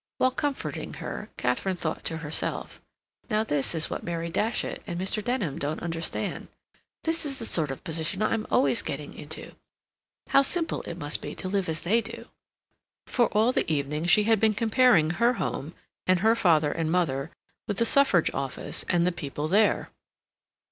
While comforting her, Katharine thought to herself, "Now this is what Mary Datchet and Mr. Denham don't understand. This is the sort of position I'm always getting into. How simple it must be to live as they do!" for all the evening she had been comparing her home and her father and mother with the Suffrage office and the people there.